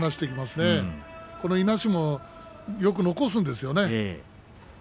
このいなしもよく残すんですよね。